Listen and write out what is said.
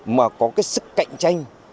mà có cái sức cạnh tranh